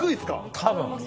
多分。